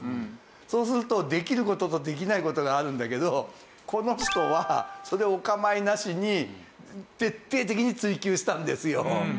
そうするとできる事とできない事があるんだけどこの人はそれお構いなしに徹底的に追求したんですよ。